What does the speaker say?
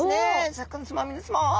シャーク香音さま皆さま。